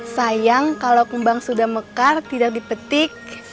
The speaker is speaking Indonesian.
sayang kalau kembang sudah mekar tidak dipetik